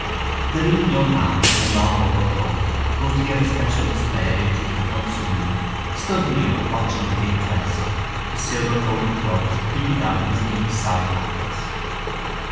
The lean young man in a long overcoat, who was to give a special display of intricate club swinging, stood near watching with interest, his silver coated clubs peeping out of his deep sidepockets.